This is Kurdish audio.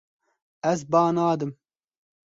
Ez ba nadim.